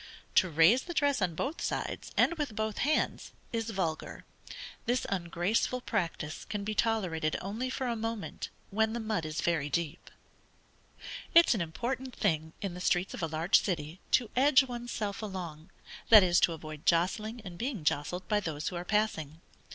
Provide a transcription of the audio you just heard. To raise the dress on both sides, and with both hands, is vulgar. This ungraceful practice can be tolerated only for a moment, when the mud is very deep. It is an important thing in the streets of a large city to edge one's self along; that is to avoid jostling and being jostled by those who are passing.